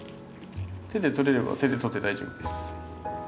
手で取れれば手で取って大丈夫です。